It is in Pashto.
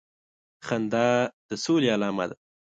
خندا د سولي علامه ده